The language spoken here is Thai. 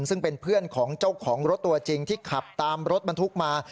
ซึ่งเป็นเพื่อนของเจ้าของรถตัวจริงที่ขับตามรถบรรทุกมา